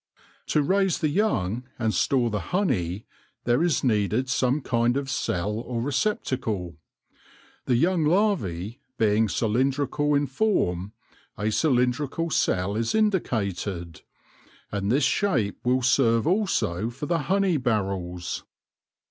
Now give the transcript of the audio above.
To raise the young, and store the honey, there is needed some kind of cell or receptacle. The young larvae being cylindrical in form, a cylindrical cell is indicated ; and this shape will serve also for the honey barrels.